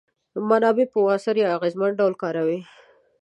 منابع په موثر یا اغیزمن ډول کاروي.